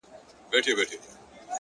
o هم دي د سرو سونډو په سر كي جـادو،